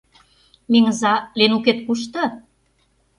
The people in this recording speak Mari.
Меҥыза, Ленукет кушто?